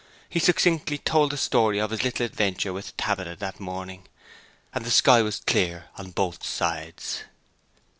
He succinctly told the whole story of his little adventure with Tabitha that morning; and the sky was clear on both sides.